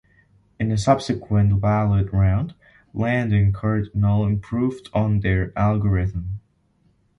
In a subsequent ballot round, Landon Curt Noll improved on their algorithm.